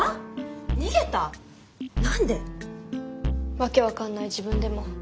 訳分かんない自分でも。